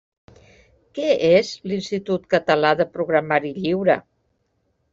Què és l'Institut Català de Programari Lliure?